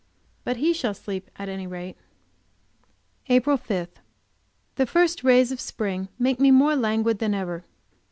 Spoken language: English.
But he shall sleep at any rate. April 5. The first rays of spring make me more languid than ever.